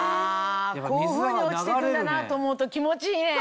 こういうふうに落ちて行くんだなと思うと気持ちいいね！